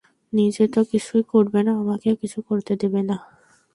নিজে তো কিছুই করবে না, আমাকেও কিছু করতে দেবে না।